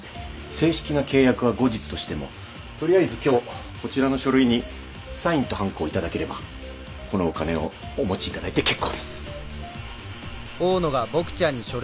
正式な契約は後日としても取りあえず今日こちらの書類にサインとはんこを頂ければこのお金をお持ちいただいて結構です。